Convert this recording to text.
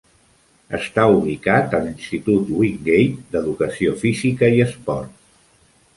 Està ubicat a l'Institut Wingate d'Educació Física i Esport.